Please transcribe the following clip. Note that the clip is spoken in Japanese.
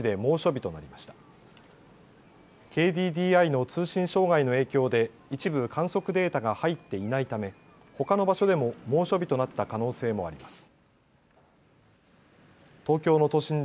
ＫＤＤＩの通信障害の影響で一部観測データが入っていないためほかの場所でも猛暑日となった可能性もあります。